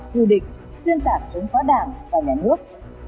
thù địch xuyên tạc chống phá đảng và nhà nước